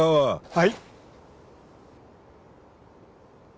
はい！